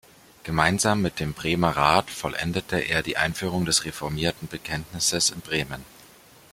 Gemeinsam mit dem Bremer Rat vollendete er die Einführung des reformierten Bekenntnisses in Bremen.